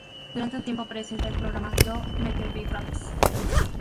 Durante un tiempo presentó el programa Yo Mtv Raps!